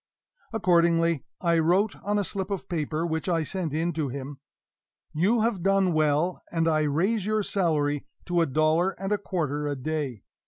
Accordingly, I wrote on a slip of paper, which I sent in to him: "You have done well, and I raise your salary to a dollar and a quarter a day.